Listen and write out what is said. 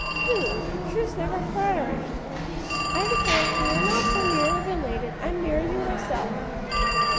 "Pooh! the truth's never flattery; I declare if we were not so nearly related, I'd marry you myself."